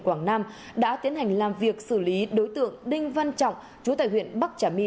quảng nam đã tiến hành làm việc xử lý đối tượng đinh văn trọng chú tại huyện bắc trà my